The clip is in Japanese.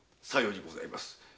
さようにございます。